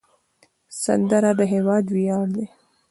سندره د هیواد ویاړ دی